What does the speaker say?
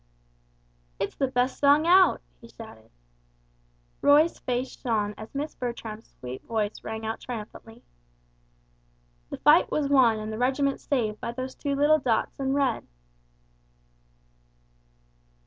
"It's the best song out," he shouted. Roy's face shone as Miss Bertram's sweet voice rang out triumphantly. "'the fight was won, and the regiment saved By those two little dots in red!'"